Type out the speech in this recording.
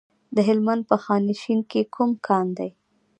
د هلمند په خانشین کې کوم کان دی؟